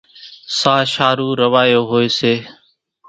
ساش ۿارُو روايو هوئيَ سي۔